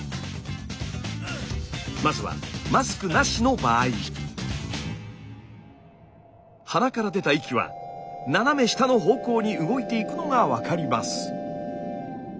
まずは鼻から出た息は斜め下の方向に動いていくのが分かります。